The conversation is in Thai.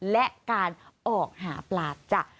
และการออกหาปลาจ้ะ